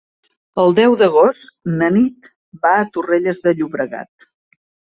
El deu d'agost na Nit va a Torrelles de Llobregat.